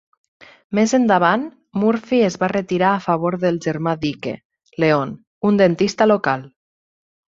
Més endavant Murphy es va retirar a favor del germà d'Ike, Leon, un dentista local.